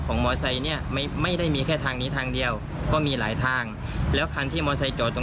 มอไซค์เนี่ยไม่ไม่ได้มีแค่ทางนี้ทางเดียวก็มีหลายทางแล้วคันที่มอเซจอดตรง